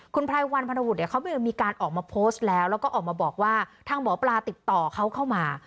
คุณไพรวันพันธบุตรเนี่ยเขามีการออกมาโพสต์แล้วแล้วก็ออกมาบอกว่าทางหมอปลาติดต่อเขาเข้ามา